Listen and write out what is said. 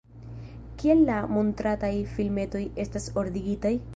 Kiel la montrataj filmetoj estas ordigitaj?